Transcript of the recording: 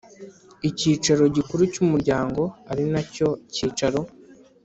Icyicaro gikuru cy umuryango ari nacyo cyicaro